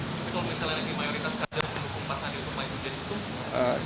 misalnya di mayoritas kader untuk pak sandi untuk pak ibu jadi itu